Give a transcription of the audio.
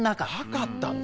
なかったんだ。